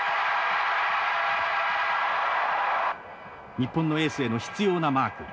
日本のエースへの執拗なマーク。